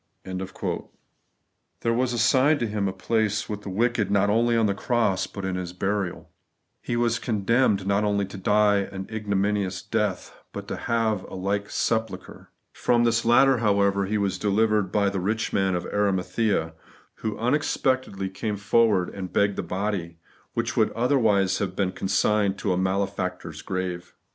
There waa assigned to Him a place with the wicked not only on the cross, but in His burial ; He was c»>demned not OBly to dia «> ignomimouB death, but to have a like sepulchre. From this latter, however, He was delivered by the rich man of Arimathea, who unexpectedly came forward and begged the body, which would otherwise have been consigned to a malefactor's grave.